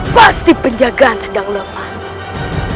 pasti penjagaan sedang lemah